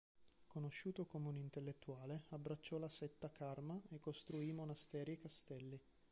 Conosciuto come un intellettuale abbracciò la setta Karma e costruì monasteri e castelli.